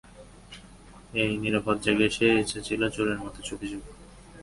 এই নিরাপদ জায়গায় সে এসেছিল চোরের মতো চুপি চুপি।